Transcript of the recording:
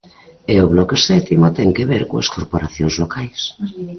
E o bloque sétimo ten que ver coas corporacións locais.